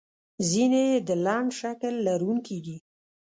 ځینې یې د لنډ شکل لرونکي دي.